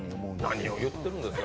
何を言ってるんですか。